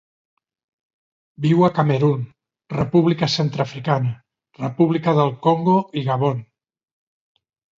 Viu a Camerun, República Centreafricana, República del Congo i Gabon.